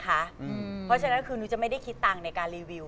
เพราะฉะนั้นคือนุ้ยจะไม่ได้คิดตังค์ในการรีวิว